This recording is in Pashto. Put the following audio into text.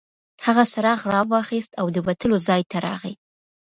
هغه څراغ راواخیست او د وتلو ځای ته راغی.